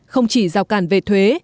không chỉ rào cản về thuế